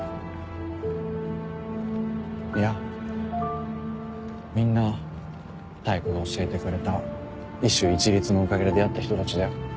いやみんな妙子が教えてくれた医手一律のおかげで出会った人たちだよ。